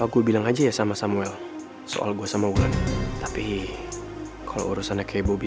jangan sampai ada yang terlukai